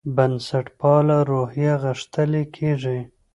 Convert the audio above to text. بنسټپاله روحیه غښتلې کېږي.